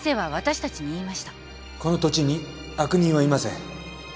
この土地に悪人はいません。